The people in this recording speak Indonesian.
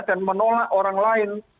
dan menolak orang lain